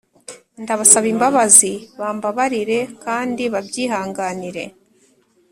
Ndabasaba imbabazi, bambabarire kandi babyihanganire